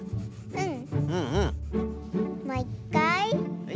うん。